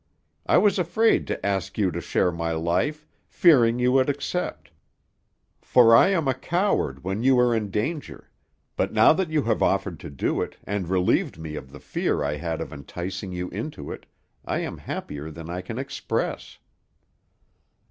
I was afraid to ask you to share my life, fearing you would accept, for I am a coward when you are in danger; but now that you have offered to do it, and relieved me of the fear I had of enticing you into it, I am happier than I can express."